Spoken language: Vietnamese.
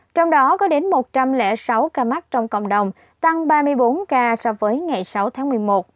trong đó có đến một trăm linh sáu ca mắc trong cộng đồng tăng ba mươi bốn ca so với ngày sáu tháng một mươi một